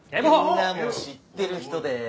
みんなも知ってる人です。